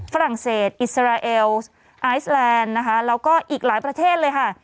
ฝรั่งเศสอิสราเอลไอซแลนด์นะคะแล้วก็อีกหลายประเทศเลยค่ะ